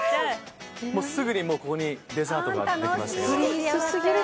すぐにここにデザートが出てきまして。